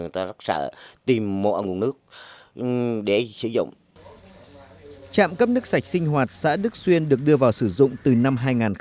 trạm cấp nước sạch sinh hoạt xã đức xuyên được đưa vào sử dụng từ năm hai nghìn một mươi